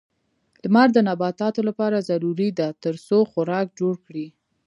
لمر د نباتاتو لپاره ضروري ده ترڅو خوراک جوړ کړي.